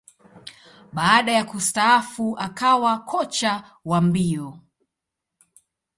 Baada ya kustaafu, akawa kocha wa mbio.